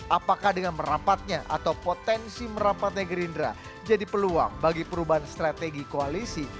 apakah dengan merapatnya atau potensi merapatnya gerindra jadi peluang bagi perubahan strategi koalisi